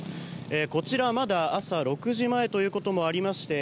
こちら、まだ朝６時前ということもありまして